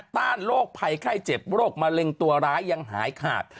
ต้านโรคภัยไข้เจ็บโรคมะเร็งตัวร้ายยังหายขาด